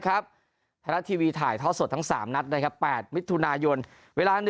ครับไทยรัฐทีวีถ่ายท้อสดทั้ง๓นัดนะครับ๘มิถุนายนเวลา